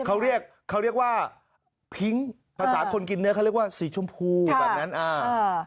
เขาเรียกเขาเรียกว่าพิ้งภาษาคนกินเนื้อเขาเรียกว่าสีชมพูแบบนั้นอ่า